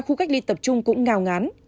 khu cách ly tập trung cũng ngào ngán